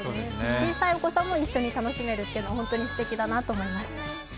小さいお子さんも一緒に楽しめるというのは、本当にすてきだなと思います。